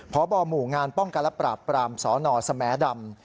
พบหมู่งานป้องกันและปราบปรามสนสแหมดำ